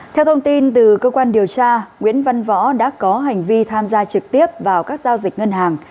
theo thông tin từ cơ quan điều tra nguyễn văn võ đã có hành vi tham gia trực tiếp vào các giao dịch ngân hàng